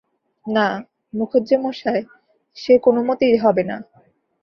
না, মুখুজ্যেমশায়, সে কোনোমতেই হবে না।